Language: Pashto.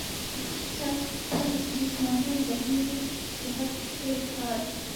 چا چې پۀ خپل جسماني او ذهني صحت کار کړے دے